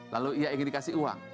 lalu ia ingin dikasih uang